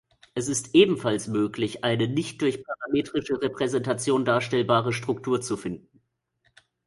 Es ist ebenfalls möglich, eine nicht durch parametrische Repräsentation darstellbare Struktur zu finden.